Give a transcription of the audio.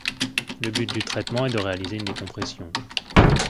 Le but du traitement est de réaliser une décompression.